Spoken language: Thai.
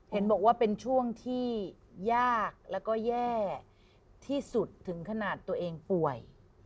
เห็นบอกว่าเป็นช่วงที่ยากแล้วก็แย่ที่สุดถึงขนาดตัวเองป่วย